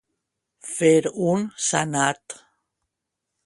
Fer un sanat.